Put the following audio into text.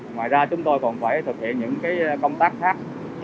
ngoài ra chúng tôi còn phải thực hiện những công tác khác